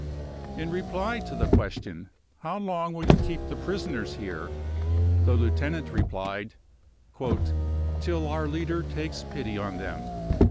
In reply to the question : €t How long will you keep the prisoners here ?" the Lieutenant replied :" Till our leader takes pity on them."